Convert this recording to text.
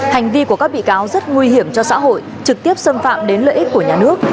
hành vi của các bị cáo rất nguy hiểm cho xã hội trực tiếp xâm phạm đến lợi ích của nhà nước